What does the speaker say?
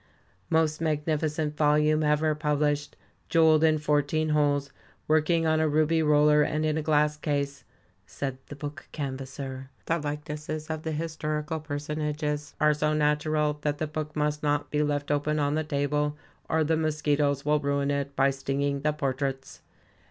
" most magnificent volume ever published, jewelled in fourteen holes, working on a ruby roller, and in a glass case," said the book canvasser. "The likenesses of the historical personages are so natural that the book must not be left open on the table, or the mosquitoes will ruin it by stinging the portraits."